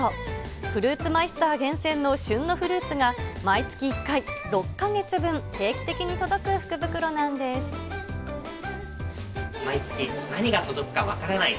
フルーツマイスター厳選の旬のフルーツが毎月１回、６か月分、毎月、何が届くか分からない